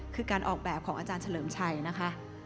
คือการออกแบบของอาจารย์เฉลิมชัยนะคะ